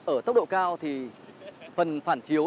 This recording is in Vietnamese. ở tốc độ cao thì phần phản chiếu